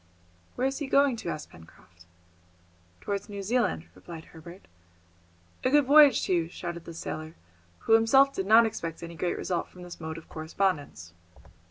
"Where is he going to?" asked Pencroft. "Towards New Zealand," replied Herbert. "A good voyage to you," shouted the sailor, who himself did not expect any great result from this mode of correspondence.